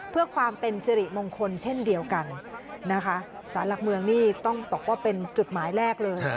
เพื่อความเป็นสิริมงคลเช่นเดียวกันนะคะสารหลักเมืองนี่ต้องบอกว่าเป็นจุดหมายแรกเลย